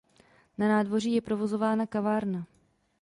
Na nádvoří je provozována kavárna.